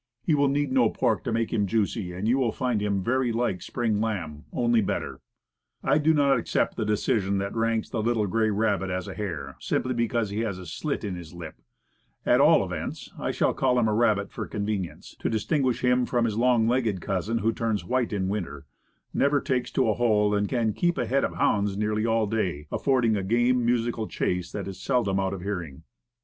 He will need no pork to make him juicy, and you will find him very like spring lamb, only better. I do not accept the decision that ranks the little gray rabbit as a hare, simply because he has a slit in his lip; at all events I shall call him a rabbit for con venience, to distinguish him from his long legged cousin, who turns white in winter, never takes to a hole, and can keep ahead of hounds nearly all day, affording a game, musical chase that is seldom out of hearing.